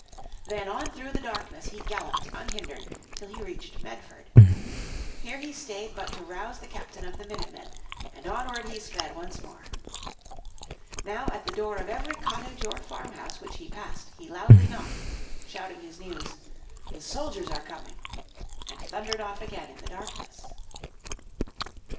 Then on through the darkness he galloped unhindered till he reached Medford. Here he stayed but to rouse the captain of the minute men, and onward he sped once more. Now at the door of every cottage or farmhouse which he passed he loudly knocked, shouting his news "the soldiers are coming," and thundered off again in the darkness.